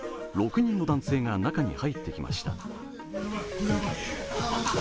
６人の男性が中に入ってきました。